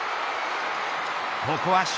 ここはシ